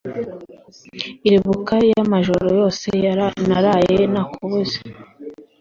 iribuka yamajoro yose naraye nakubuze